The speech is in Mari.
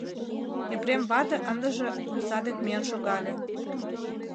Епрем вате ындыже омса дек миен шогале.